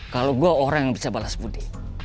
kalau gue orang yang bisa balas budi